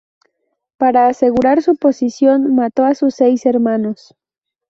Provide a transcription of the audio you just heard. Para asegurar su posición, mató a sus seis hermanos.